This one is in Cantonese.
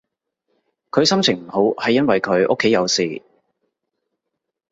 佢心情唔好係因為佢屋企有事